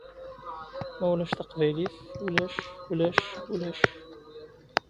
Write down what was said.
Ma ulac taqbaylit ulac ulac ulac!